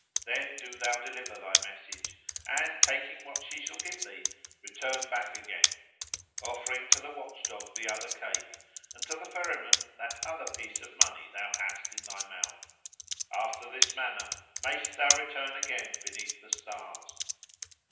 Then do thou deliver thy message, and taking what she shall give thee, return back again; offering to the watch dog the other cake, and to the ferryman that other piece of money thou hast in thy mouth. After this manner mayst thou return again beneath the stars.